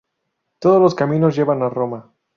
Todos los caminos llevan a Roma